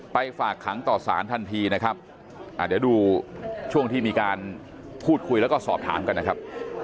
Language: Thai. ฝากขังต่อสารทันทีนะครับเดี๋ยวดูช่วงที่มีการพูดคุยแล้วก็สอบถามกันนะครับ